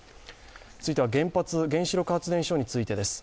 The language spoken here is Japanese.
続いては原子力発電所についてです。